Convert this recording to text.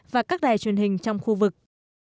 và các đài truyền hình trong khu vực